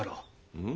うん？